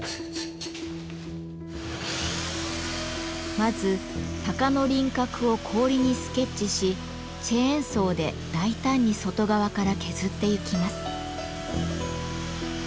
まず鷹の輪郭を氷にスケッチしチェーンソーで大胆に外側から削ってゆきます。